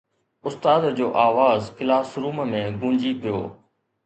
استاد جو آواز ڪلاس روم ۾ گونجي پيو